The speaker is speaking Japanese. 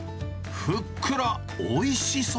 ふっくらおいしそう。